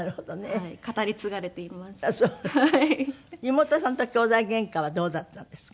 妹さんと姉妹ゲンカはどうだったんですか？